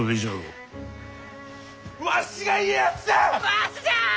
わしじゃ！